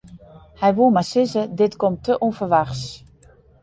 Hy woe mar sizze: dit komt te ûnferwachts.